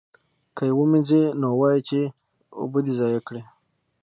که یې ومینځي نو وایي یې چې اوبه دې ضایع کړې.